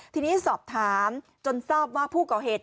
ทีนี้สอบถามจนทราบว่าผู้ก่อเหตุ